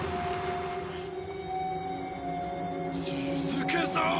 静けさを！